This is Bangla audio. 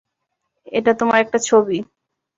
এটা তোমার একটা ছবি।